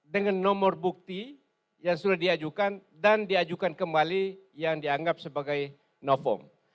dengan nomor bukti yang sudah diajukan dan diajukan kembali yang dianggap sebagai novom